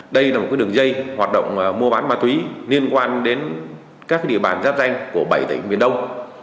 đây là một đường dây hoạt động mua bán ma túy liên quan đến các địa bàn giáp danh của bảy tỉnh miền đông